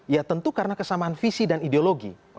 ya tentu karena kesamaan visi dan ideologi